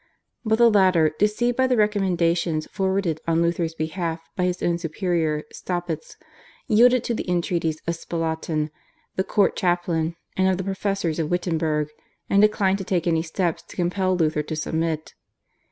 But the latter, deceived by the recommendations forwarded on Luther's behalf by his own superior, Staupitz, yielded to the entreaties of Spalatin, the court chaplain, and of the professors of Wittenberg, and declined to take any steps to compel Luther to submit.